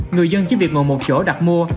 người dân chỉ việc ngồi một chỗ đặt mua